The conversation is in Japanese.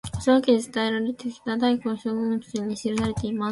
これは浅野家で伝えられてきた「太閤様御覚書」に記されています。